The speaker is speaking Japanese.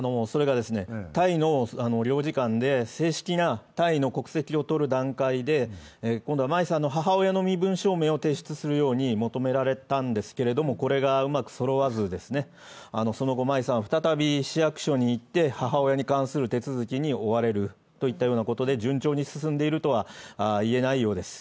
タイの領事館で正式なタイの国籍を取る段階で、今度は舞さんの母親の身分証明書を提出するよう求められたんですけどこれがうまくそろわず、その後、舞さんは再び市役所に行って、母親に関する手続きに追われるといったことで、順調に進んでいるとは言えないようです。